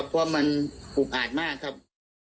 เพราะมันอุกอาจมากครับ